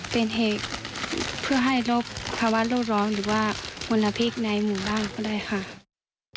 เป็นเหตุเพื่อให้ลบภาวะโลกร้อนหรือว่ามลพิษในหมู่บ้านก็ได้ค่ะ